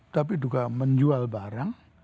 tapi juga menjual barang